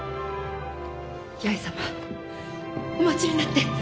弥江様お待ちになって！